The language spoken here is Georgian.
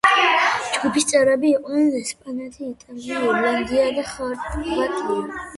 ჯგუფის წევრები იყვნენ ესპანეთი, იტალია, ირლანდია და ხორვატია.